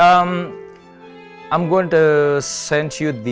aku akan mengirimkan kamu notenya nanti